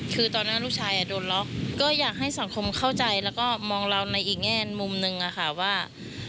เขาอยากให้สังคมเข้าใจแล้วก็มองเราในอีกแง่มุมนึงค่ะว่า